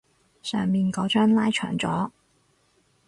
上面嗰張拉長咗